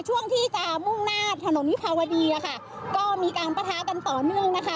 ช่วงที่จะมุ่งหน้าถนนวิภาวดีอะค่ะก็มีการประทะกันต่อเนื่องนะคะ